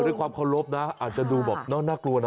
ด้วยความเคารพนะอาจจะดูแบบน่ากลัวนะ